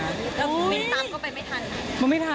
แล้วมีตั๊บก็ไปไม่ทัน